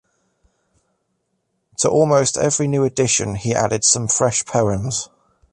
To almost every new edition he added some fresh poems.